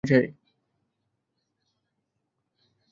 বাপ বলেছেন, হীরে-মানিকে কাজ নেই, কিন্তু খুব ভারী সোনার গয়না চাই।